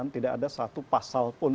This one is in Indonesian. tidak ada satu pasal pun